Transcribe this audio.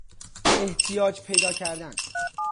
احتیاج پیدا کردن